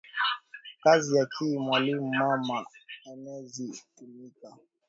Kazi ya ki mwalimu mama anezi tumika